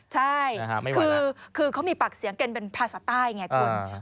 ใช่คือเขามีปากเสียงกันเป็นภาษาใต้ไงคุณ